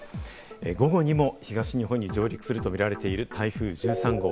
午後にも東日本に上陸すると見られている台風１３号。